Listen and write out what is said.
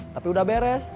tapi udah beres